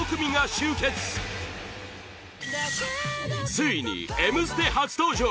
ついに「Ｍステ」初登場！